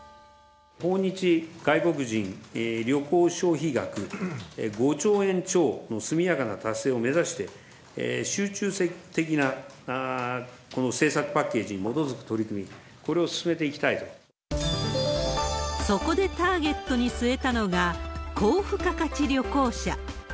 訪日外国人旅行消費額５兆円超の速やかな達成を目指して、集中的なこの政策パッケージに基づく取り組み、これを進めていきそこでターゲットに据えたのが、高付加価値旅行者。